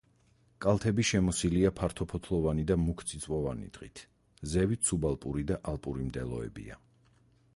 კალთები შემოსილია ფართოფოთლოვანი და მუქწიწვოვანი ტყით, ზევით სუბალპური და ალპური მდელოებია.